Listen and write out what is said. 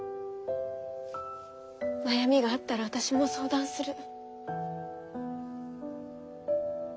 悩みがあったら私も相談する。